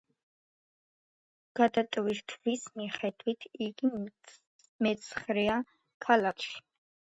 დატვირთვის მიხედვით, იგი მეცხრეა ქალაქში.